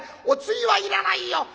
「お釣りはいらないよ」。